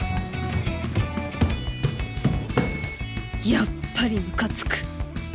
やっぱりムカつく